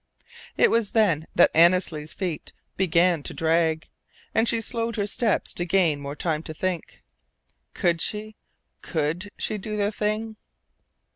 It was then that Annesley's feet began to drag, and she slowed her steps to gain more time to think. Could she could she do the thing?